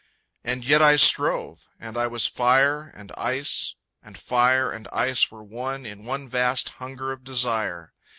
And yet I strove and I was fire And ice and fire and ice were one In one vast hunger of desire.